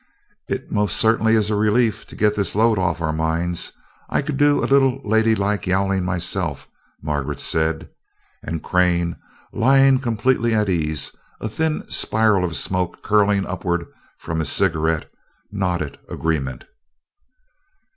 "It most certainly is a relief to get this load off our minds: I could do a little ladylike yowling myself," Margaret said; and Crane, lying completely at ease, a thin spiral of smoke curling upward from his cigarette, nodded agreement.